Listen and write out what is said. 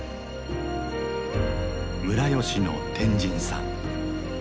村吉の天神さん。